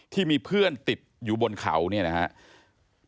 ที่มีเพื่อนติดอยู่บนเขาเนี่ยนะครับ